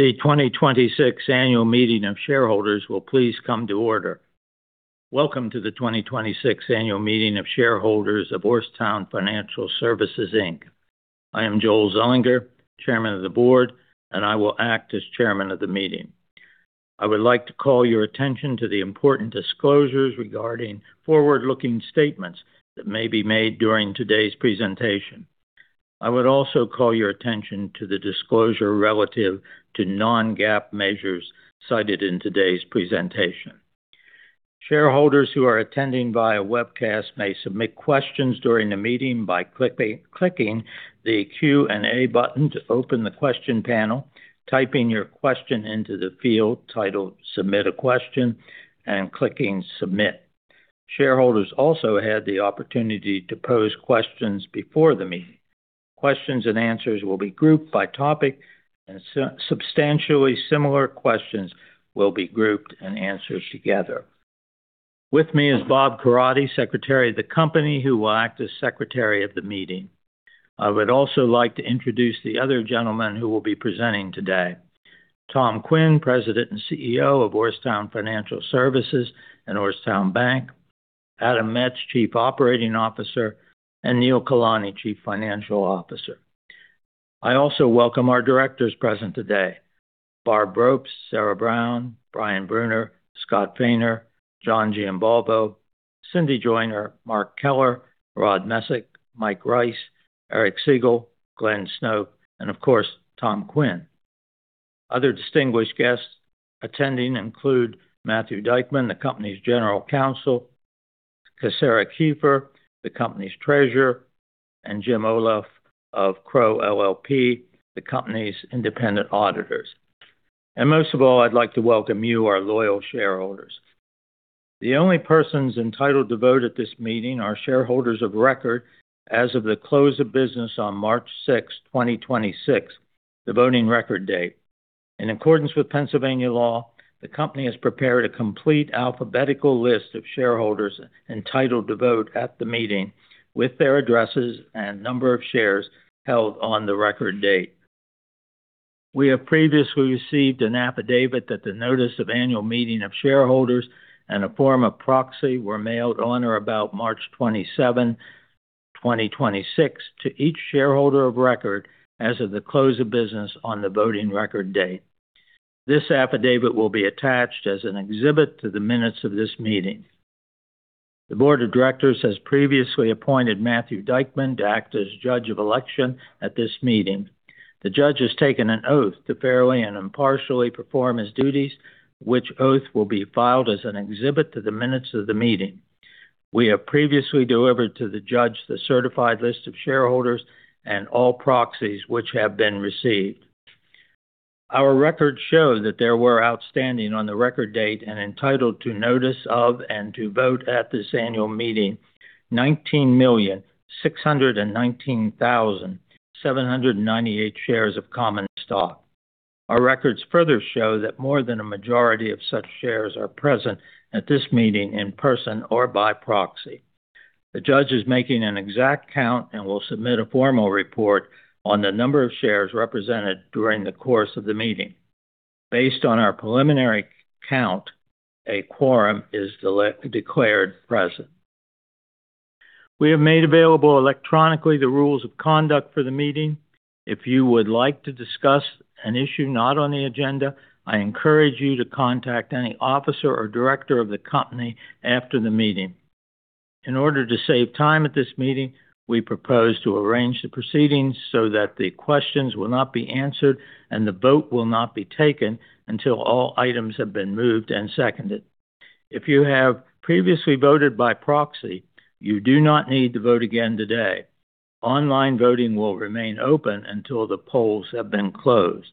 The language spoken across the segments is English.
The 2026 annual meeting of shareholders will please come to order. Welcome to the 2026 annual meeting of shareholders of Orrstown Financial Services, Inc. I am Joel Zullinger, Chairman of the Board, and I will act as Chairman of the Meeting. I would like to call your attention to the important disclosures regarding forward-looking statements that may be made during today's presentation. I would also call your attention to the disclosure relative to non-GAAP measures cited in today's presentation. Shareholders who are attending via webcast may submit questions during the meeting by clicking the Q&A button to open the question panel, typing your question into the field titled "Submit a Question," and clicking Submit. Shareholders also had the opportunity to pose questions before the meeting. Questions and answers will be grouped by topic, and substantially similar questions will be grouped and answered together. With me is Bob Coradi, Secretary of the Company, who will act as Secretary of the Meeting. I would also like to introduce the other gentlemen who will be presenting today. Tom Quinn, President and CEO of Orrstown Financial Services and Orrstown Bank, Adam Metz, Chief Operating Officer, and Neil Kalani, Chief Financial Officer. I also welcome our directors present today, Barb Brobst, Sarah Brown, Brian Brunner, Scott Fainor, John Giambalvo, Cindy Joiner, Mark Keller, Rod Messick, Mike Rice, Eric Segal, Glenn Snoke, and of course, Tom Quinn. Other distinguished guests attending include Matthew Dyckman, the company's General Counsel, Casara Kieffer, the company's Treasurer, and Jim Oleff of Crowe LLP, the company's independent auditors. Most of all, I'd like to welcome you, our loyal shareholders. The only persons entitled to vote at this meeting are shareholders of record as of the close of business on March 6th, 2026, the voting record date. In accordance with Pennsylvania law, the company has prepared a complete alphabetical list of shareholders entitled to vote at the meeting with their addresses and number of shares held on the record date. We have previously received an affidavit that the notice of annual meeting of shareholders and a form of proxy were mailed on or about March 27, 2026 to each shareholder of record as of the close of business on the voting record date. This affidavit will be attached as an exhibit to the minutes of this meeting. The Board of Directors has previously appointed Matthew Dyckman to act as Judge of Election at this meeting. The Judge has taken an oath to fairly and impartially perform his duties, which oath will be filed as an exhibit to the minutes of the meeting. We have previously delivered to the Judge the certified list of shareholders and all proxies which have been received. Our records show that there were outstanding on the record date and entitled to notice of and to vote at this annual meeting 19,619,798 shares of common stock. Our records further show that more than a majority of such shares are present at this meeting in person or by proxy. The Judge is making an exact count and will submit a formal report on the number of shares represented during the course of the meeting. Based on our preliminary count, a quorum is declared present. We have made available electronically the rules of conduct for the meeting. If you would like to discuss an issue not on the agenda, I encourage you to contact any officer or director of the company after the meeting. In order to save time at this meeting, we propose to arrange the proceedings so that the questions will not be answered and the vote will not be taken until all items have been moved and seconded. If you have previously voted by proxy, you do not need to vote again today. Online voting will remain open until the polls have been closed.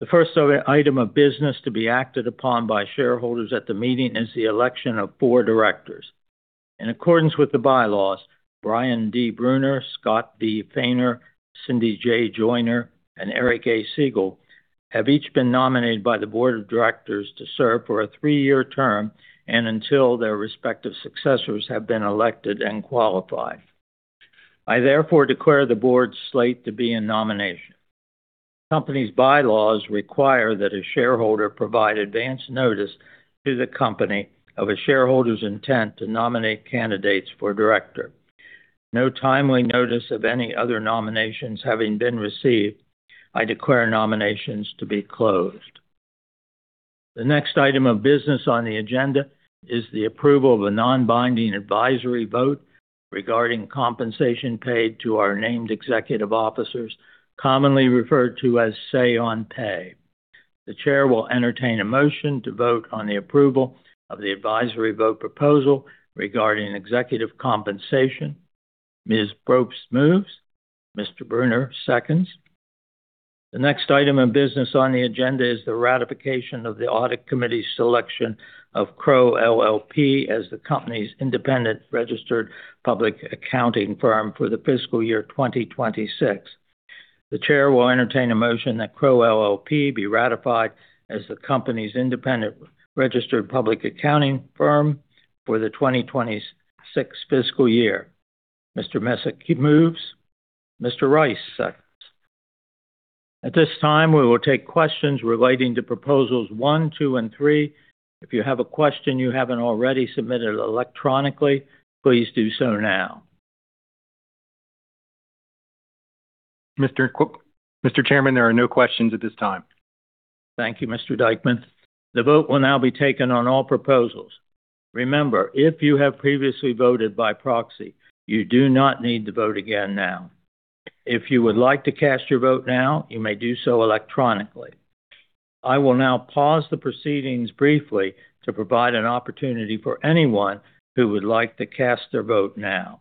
The first item of business to be acted upon by shareholders at the meeting is the election of four directors. In accordance with the bylaws, Brian D. Brunner, Scott V. Fainor, Cindy J. Joiner, and Eric A. Segal have each been nominated by the Board of Directors to serve for a three-year term and until their respective successors have been elected and qualified. I therefore declare the Board's slate to be in nomination. Company's bylaws require that a shareholder provide advance notice to the company of a shareholder's intent to nominate candidates for director. No timely notice of any other nominations having been received, I declare nominations to be closed. The next item of business on the agenda is the approval of a non-binding advisory vote regarding compensation paid to our named executive officers, commonly referred to as say on pay. The Chair will entertain a motion to vote on the approval of the advisory vote proposal regarding executive compensation. Ms. Brobst moves. Mr. Brunner seconds. The next item of business on the agenda is the ratification of the Audit Committee's selection of Crowe LLP as the company's independent registered public accounting firm for the fiscal year 2026. The Chair will entertain a motion that Crowe LLP be ratified as the company's independent registered public accounting firm for the 2026 fiscal year. Mr. Messick, he moves. Mr. Rice seconds. At this time, we will take questions relating to proposals 1, 2, and 3. If you have a question you haven't already submitted electronically, please do so now. Mr. Chairman, there are no questions at this time. Thank you, Mr. Dyckman. The vote will now be taken on all proposals. Remember, if you have previously voted by proxy, you do not need to vote again now. If you would like to cast your vote now, you may do so electronically. I will now pause the proceedings briefly to provide an opportunity for anyone who would like to cast their vote now.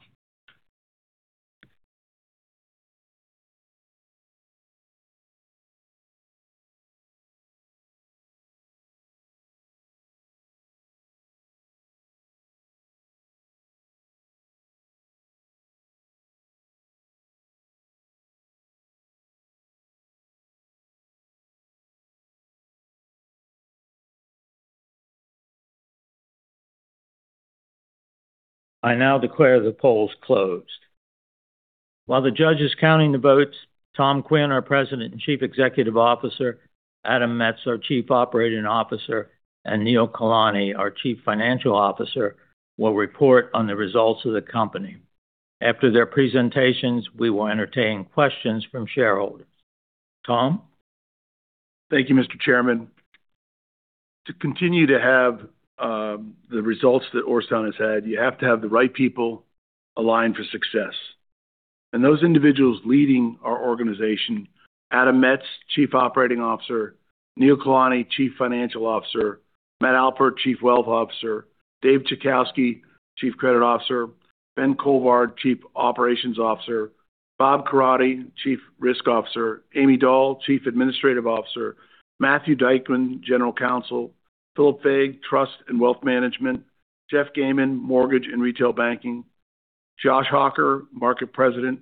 I now declare the polls closed. While the Judge is counting the votes, Tom Quinn, our President and Chief Executive Officer, Adam Metz, our Chief Operating Officer, and Neil Kalani, our Chief Financial Officer, will report on the results of the company. After their presentations, we will entertain questions from shareholders. Tom? Thank you, Mr. Chairman. To continue to have the results that Orrstown has had, you have to have the right people aligned for success. Those individuals leading our organization, Adam Metz, Chief Operating Officer, Neil Kalani, Chief Financial Officer, Matt Alpert, Chief Wealth Officer, Dave Chajkowski, Chief Credit Officer, Ben Colvard, Chief Operations Officer, Bob Coradi, Chief Risk Officer, Amy Doll, Chief Administrative Officer, Matthew Dyckman, General Counsel, Philip Fague, Trust and Wealth Management, Jeff Gayman, Mortgage and Retail Banking, Josh Hocker, Market President,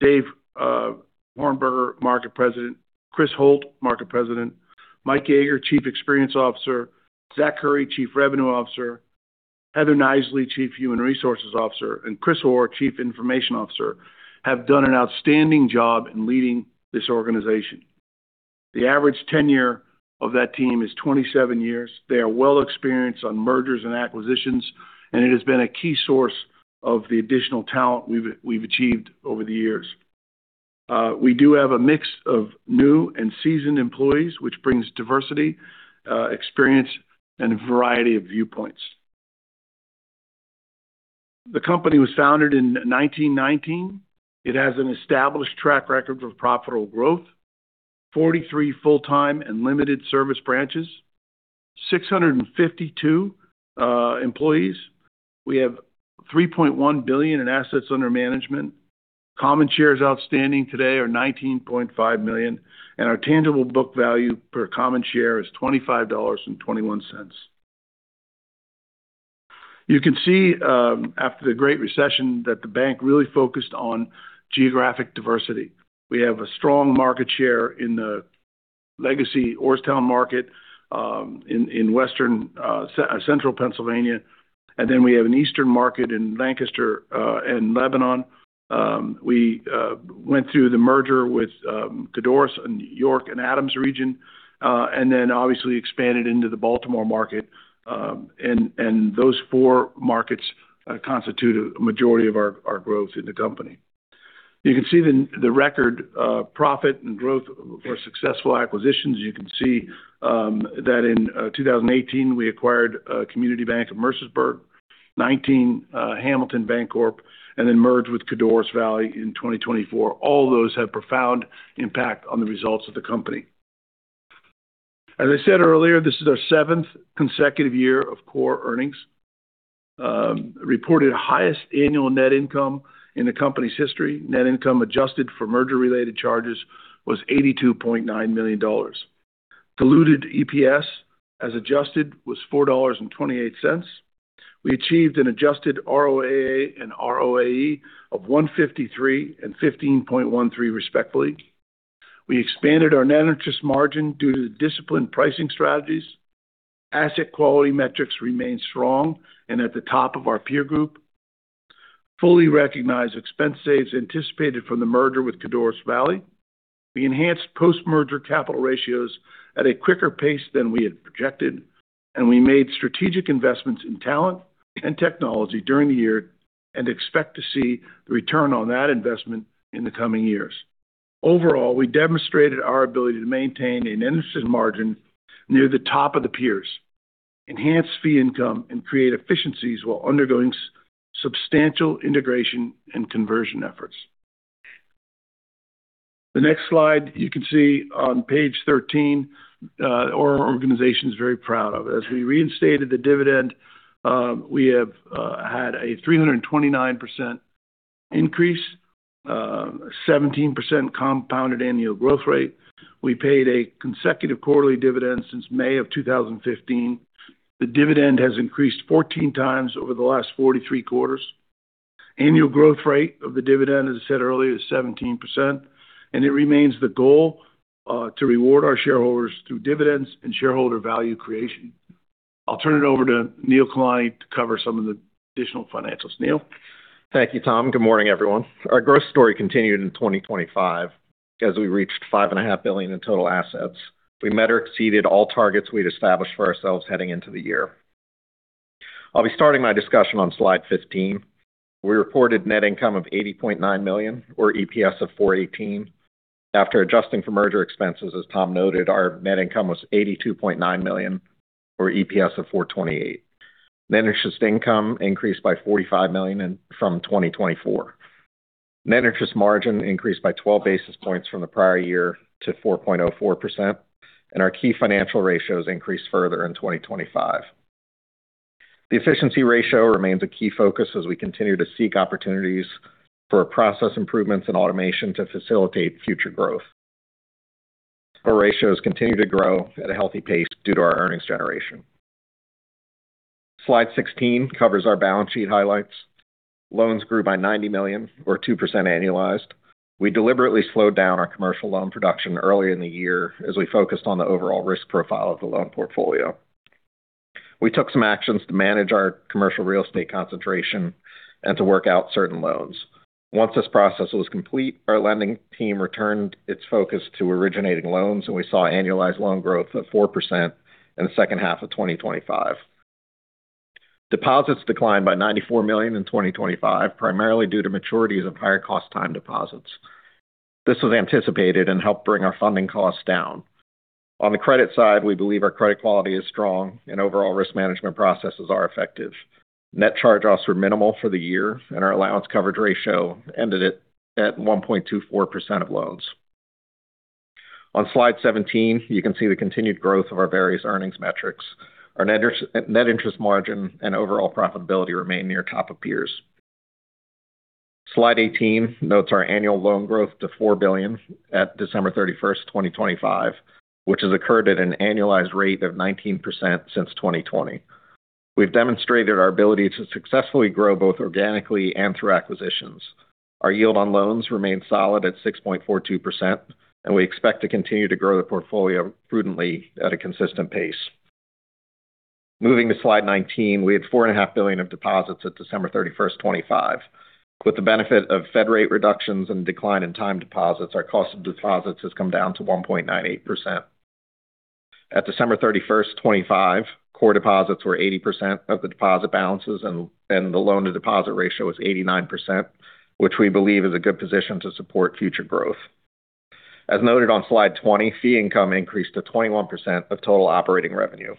Dave Hornberger, Market President, Chris Holt, Market President, Mike Jaeger, Chief Experience Officer, Zach Khuri, Chief Revenue Officer, Heather Knisely, Chief Human Resources Officer, and Chris Orr, Chief Information Officer, have done an outstanding job in leading this organization. The average tenure of that team is 27 years. They are well experienced on mergers and acquisitions, and it has been a key source of the additional talent we've achieved over the years. We do have a mix of new and seasoned employees, which brings diversity, experience, and a variety of viewpoints. The company was founded in 1919. It has an established track record of profitable growth. Forty-three full-time and limited service branches. Six hundred and fifty-two employees. We have $3.1 billion in assets under management. Common shares outstanding today are 19.5 million, and our tangible book value per common share is $25.21. You can see, after the Great Recession that the bank really focused on geographic diversity. We have a strong market share in the legacy Orrstown market, in Central Pennsylvania, and then we have an Eastern market in Lancaster and Lebanon. We went through the merger with Codorus in York and Adams region, and then obviously expanded into the Baltimore market. Those four markets constitute a majority of our growth in the company. You can see the record profit and growth for successful acquisitions. You can see that in 2018, we acquired Community Bank of Mercersburg, 2019 Hamilton Bancorp, and then merged with Codorus Valley in 2024. All those have profound impact on the results of the company. As I said earlier, this is our seventh consecutive year of core earnings. Reported highest annual net income in the company's history. Net income adjusted for merger-related charges was $82.9 million. Diluted EPS, as adjusted, was $4.28. We achieved an adjusted ROAA and ROAE of 1.53% and 15.13%, respectfully. We expanded our net interest margin due to the disciplined pricing strategies. Asset quality metrics remain strong and at the top of our peer group. Fully recognized expense saves anticipated from the merger with Codorus Valley. We enhanced post-merger capital ratios at a quicker pace than we had projected, and we made strategic investments in talent and technology during the year and expect to see the return on that investment in the coming years. Overall, we demonstrated our ability to maintain an interest margin near the top of the peers, enhance fee income, and create efficiencies while undergoing substantial integration and conversion efforts. The next slide, you can see on page 13, our organization is very proud of it. As we reinstated the dividend, we have had a 329% increase, 17% compounded annual growth rate. We paid a consecutive quarterly dividend since May of 2015. The dividend has increased 14 times over the last 43 quarters. Annual growth rate of the dividend, as I said earlier, is 17%, and it remains the goal to reward our shareholders through dividends and shareholder value creation. I'll turn it over to Neil Kalani to cover some of the additional financials. Neil? Thank you, Tom. Good morning, everyone. Our growth story continued in 2025 as we reached $5.5 billion in total assets. We met or exceeded all targets we'd established for ourselves heading into the year. I'll be starting my discussion on slide 15. We reported net income of $80.9 million, or EPS of $4.18. After adjusting for merger expenses, as Tom noted, our net income was $82.9 million or EPS of $4.28. Net interest income increased by $45 million from 2024. Net interest margin increased by 12 basis points from the prior year to 4.04%. Our key financial ratios increased further in 2025. The efficiency ratio remains a key focus as we continue to seek opportunities for process improvements and automation to facilitate future growth. Our ratios continue to grow at a healthy pace due to our earnings generation. Slide 16 covers our balance sheet highlights. Loans grew by $90 million or 2% annualized. We deliberately slowed down our commercial loan production early in the year as we focused on the overall risk profile of the loan portfolio. We took some actions to manage our commercial real estate concentration and to work out certain loans. Once this process was complete, our lending team returned its focus to originating loans, and we saw annualized loan growth of 4% in the second half of 2025. Deposits declined by $94 million in 2025, primarily due to maturities of higher-cost time deposits. This was anticipated and helped bring our funding costs down. On the credit side, we believe our credit quality is strong and overall risk management processes are effective. Net charge-offs were minimal for the year. Our allowance coverage ratio ended it at 1.24% of loans. On slide 17, you can see the continued growth of our various earnings metrics. Our net interest margin and overall profitability remain near top of peers. Slide 18 notes our annual loan growth to $4 billion at December 31st, 2025, which has occurred at an annualized rate of 19% since 2020. We've demonstrated our ability to successfully grow both organically and through acquisitions. Our yield on loans remains solid at 6.42%. We expect to continue to grow the portfolio prudently at a consistent pace. Moving to slide 19, we had $4.5 billion of deposits at December 31st, 2025. With the benefit of Fed rate reductions and decline in time deposits, our cost of deposits has come down to 1.98%. At December 31st, 2025, core deposits were 80% of the deposit balances and the loan-to-deposit ratio was 89%, which we believe is a good position to support future growth. As noted on slide 20, fee income increased to 21% of total operating revenue.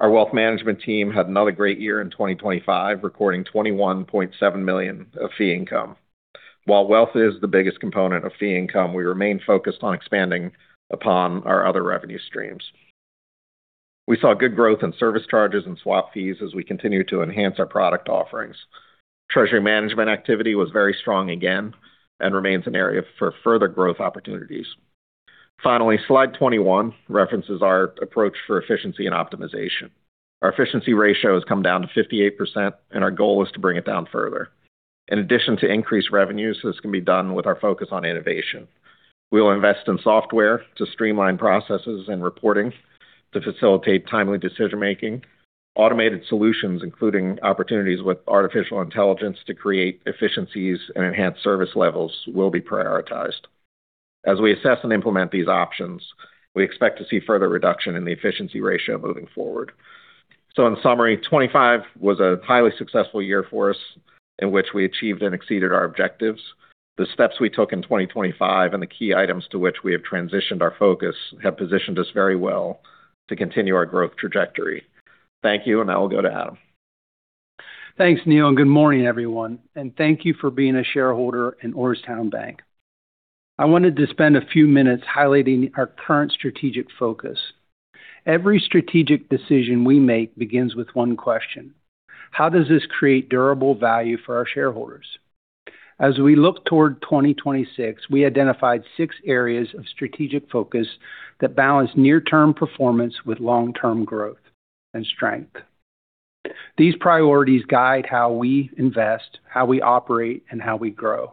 Our wealth management team had another great year in 2025, recording $21.7 million of fee income. While wealth is the biggest component of fee income, we remain focused on expanding upon our other revenue streams. We saw good growth in service charges and swap fees as we continue to enhance our product offerings. Treasury management activity was very strong again and remains an area for further growth opportunities. Finally, slide 21 references our approach for efficiency and optimization. Our efficiency ratio has come down to 58%, and our goal is to bring it down further. In addition to increased revenues, this can be done with our focus on innovation. We will invest in software to streamline processes and reporting to facilitate timely decision-making. Automated solutions, including opportunities with artificial intelligence to create efficiencies and enhance service levels, will be prioritized. As we assess and implement these options, we expect to see further reduction in the efficiency ratio moving forward. In summary, 2025 was a highly successful year for us in which we achieved and exceeded our objectives. The steps we took in 2025 and the key items to which we have transitioned our focus have positioned us very well to continue our growth trajectory. Thank you, and now I'll go to Adam. Thanks, Neil, and good morning, everyone, and thank you for being a shareholder in Orrstown Bank. I wanted to spend a few minutes highlighting our current strategic focus. Every strategic decision we make begins with one question: How does this create durable value for our shareholders? As we look toward 2026, we identified six areas of strategic focus that balance near-term performance with long-term growth and strength. These priorities guide how we invest, how we operate, and how we grow.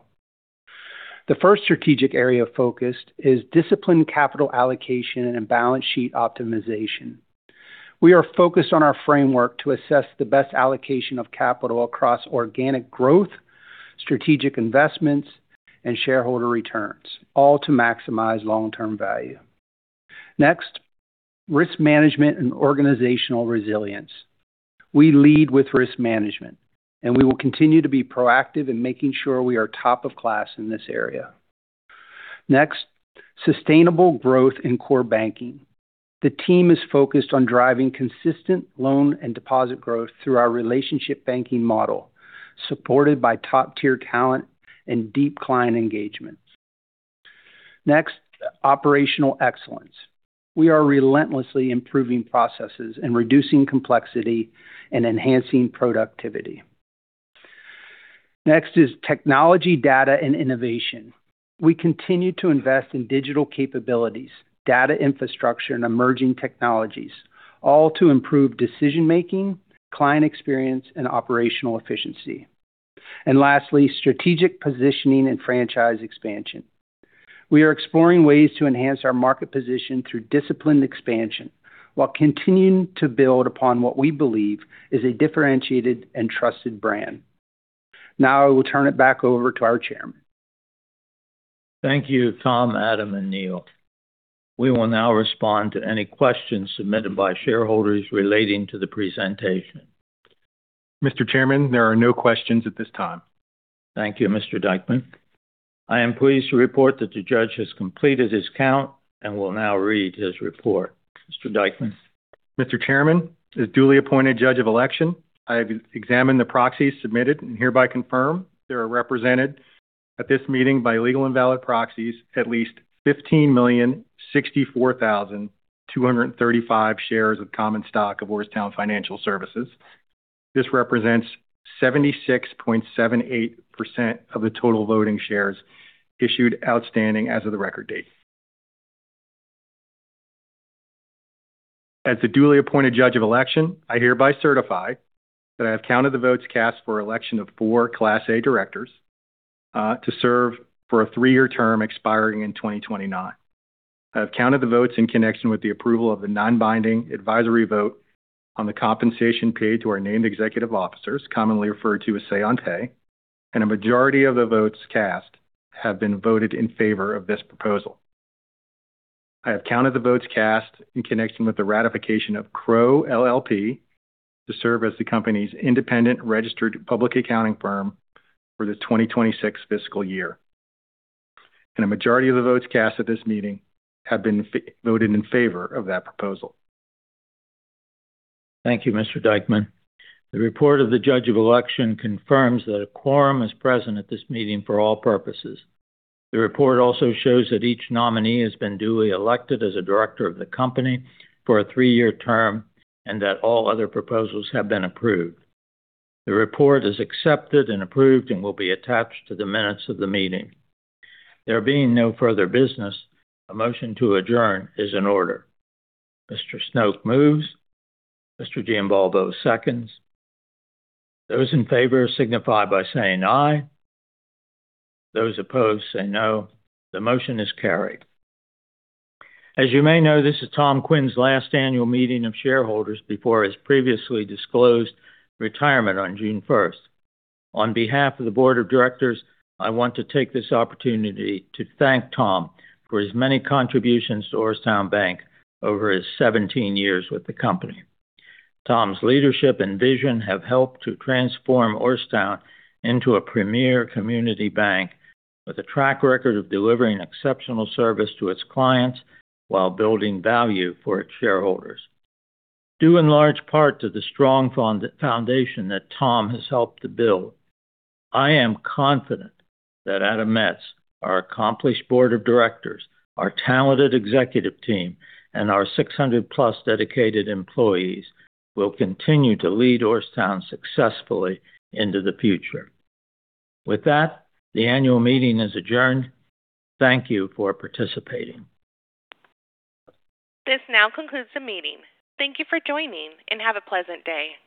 The first strategic area of focus is disciplined capital allocation and balance sheet optimization. We are focused on our framework to assess the best allocation of capital across organic growth, strategic investments, and shareholder returns, all to maximize long-term value. Next, risk management and organizational resilience. We lead with risk management, and we will continue to be proactive in making sure we are top of class in this area. Next, sustainable growth in core banking. The team is focused on driving consistent loan and deposit growth through our relationship banking model, supported by top-tier talent and deep client engagement. Next, operational excellence. We are relentlessly improving processes and reducing complexity and enhancing productivity. Next is technology, data, and innovation. We continue to invest in digital capabilities, data infrastructure, and emerging technologies, all to improve decision-making, client experience, and operational efficiency. Lastly, strategic positioning and franchise expansion. We are exploring ways to enhance our market position through disciplined expansion while continuing to build upon what we believe is a differentiated and trusted brand. I will turn it back over to our Chairman. Thank you, Tom, Adam, and Neil. We will now respond to any questions submitted by shareholders relating to the presentation. Mr. Chairman, there are no questions at this time. Thank you, Mr. Dyckman. I am pleased to report that the Judge has completed his count and will now read his report. Mr. Dyckman. Mr. Chairman, as duly appointed Judge of Election, I have examined the proxies submitted and hereby confirm there are represented at this meeting by legal and valid proxies at least 15,064,235 shares of common stock of Orrstown Financial Services. This represents 76.78% of the total voting shares issued outstanding as of the record date. As the duly appointed Judge of Election, I hereby certify that I have counted the votes cast for election of four Class A directors to serve for a three-year term expiring in 2029. I have counted the votes in connection with the approval of the non-binding advisory vote on the compensation paid to our named executive officers, commonly referred to as say on pay, and a majority of the votes cast have been voted in favor of this proposal. I have counted the votes cast in connection with the ratification of Crowe LLP to serve as the company's independent registered public accounting firm for the 2026 fiscal year. A majority of the votes cast at this meeting have been voted in favor of that proposal. Thank you, Mr. Dyckman. The report of the Judge of Election confirms that a quorum is present at this meeting for all purposes. The report also shows that each nominee has been duly elected as a director of the company for a three-year term and that all other proposals have been approved. The report is accepted and approved and will be attached to the minutes of the meeting. There being no further business, a motion to adjourn is in order. Mr. Snoke moves. Mr. Giambalvo seconds. Those in favor signify by saying aye. Those opposed say no. The motion is carried. As you may know, this is Tom Quinn's last annual meeting of shareholders before his previously disclosed retirement on June 1st. On behalf of the Board of Directors, I want to take this opportunity to thank Tom for his many contributions to Orrstown Bank over his 17 years with the company. Tom's leadership and vision have helped to transform Orrstown into a premier community bank with a track record of delivering exceptional service to its clients while building value for its shareholders. Due in large part to the strong foundation that Tom has helped to build, I am confident that Adam Metz, our accomplished Board of Directors, our talented executive team, and our 600+ dedicated employees will continue to lead Orrstown successfully into the future. With that, the annual meeting is adjourned. Thank you for participating. This now concludes the meeting. Thank you for joining, and have a pleasant day.